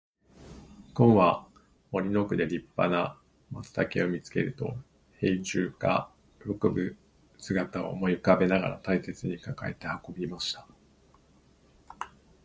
ごんは森の奥で立派な松茸を見つけると、兵十が喜ぶ姿を思い浮かべながら大切に抱えて運びました。